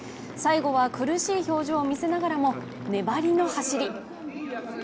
最後は苦しい表情を見せながらも粘りの走り。